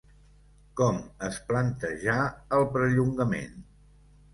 Com es plantejà el perllongament?